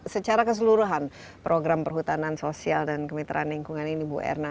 secara keseluruhan program perhutanan sosial dan kemitraan lingkungan ini bu erna